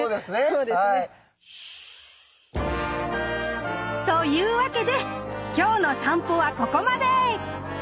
そうですね。というわけで今日の散歩はここまで！